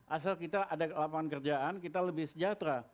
asal kita ada lapangan kerjaan kita lebih sejahtera